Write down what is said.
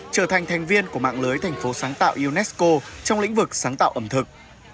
trở thành thành viên của mạng lưới thành phố sáng tạo unesco trong lĩnh vực sáng tạo ẩm thực